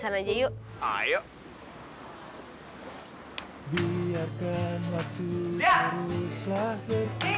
tenang tenang semua sedang diatasi